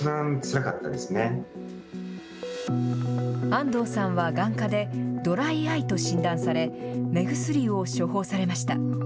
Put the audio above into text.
安藤さんは眼科でドライアイと診断され、目薬を処方されました。